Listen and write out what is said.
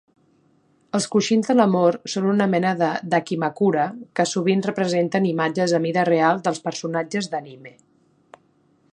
Els coixins de l'amor són una mena de "dakimakura" que sovint representen imatges a mida real dels personatges d'anime.